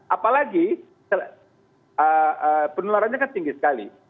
apalagi penularannya kan tinggi sekali